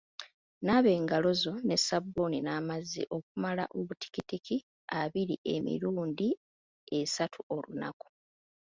Naaba engalo zo ne sabbuuni n'amazzi okumala obutikitiki abiri emirundi esatu olunaku.